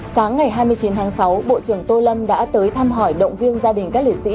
sáng ngày hai mươi chín tháng sáu bộ trưởng tô lâm đã tới thăm hỏi động viên gia đình các liệt sĩ